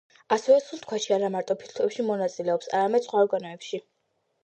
ასევე სუნთქვაში არა მარტო ფილტვები მონაწილეობს, არამედ სხვა ორგანოებიც.